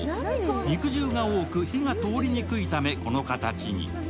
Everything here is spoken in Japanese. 肉汁が多く、火が通りにくいためこの形に。